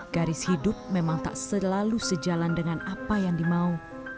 garis hidup memang tak selalu sejalan dengan apa yang dimau